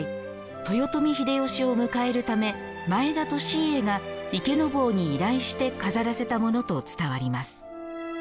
豊臣秀吉を迎えるため前田利家が池坊に依頼して飾らせたものと伝わります。